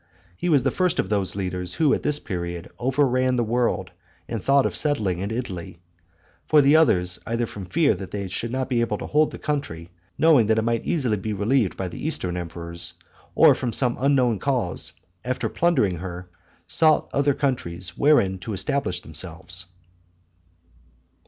He was the first of those leaders who at this period overran the world and thought of settling in Italy; for the others, either from fear that they should not be able to hold the country, knowing that it might easily be relieved by the eastern emperors, or from some unknown cause, after plundering her, sought other countries wherein to establish themselves.